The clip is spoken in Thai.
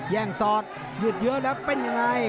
แย่งสอดยืดเยอะแล้วเป็นยังไง